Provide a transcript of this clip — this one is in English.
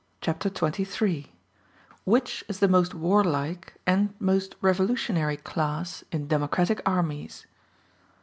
Chapter XXIII: Which Is The Most Warlike And Most Revolutionary Class In Democratic Armies?